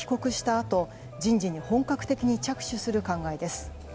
あと人事に本格的に着手する考えです。